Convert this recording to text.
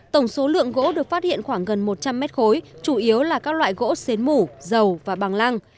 tổng số lượng gỗ được phát hiện khoảng gần một trăm linh mét khối chủ yếu là các loại gỗ xến mủ dầu và bằng lăng